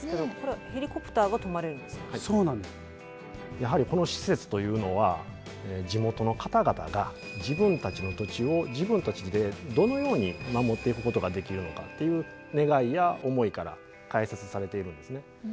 やはりこの施設というのは地元の方々が自分たちの土地を自分たちでどのように守っていくことができるのかっていう願いや思いから開設されているんですね。